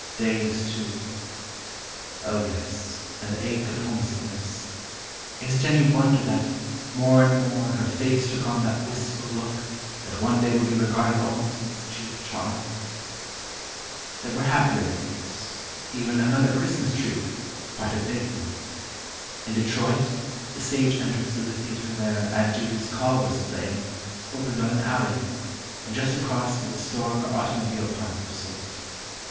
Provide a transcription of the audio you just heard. days, too ... oh, yes, and the ache of homesickness ... is it any wonder that more and more her face took on that wistful look that one day would be regarded almost as its chief charm? There were happier things—even another Christmas Tree, quite a big one! In Detroit, the stage entrance of the theatre where "At Duty's Call" was playing, opened on an alley, and just across was a store where automobile parts were sold.